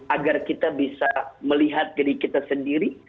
agar kita bisa melihat diri kita sendiri